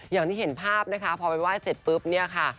อย่างที่เห็นภาพนะคะพอไปไหว้เสร็จปุ๊บเนี่ยค่ะ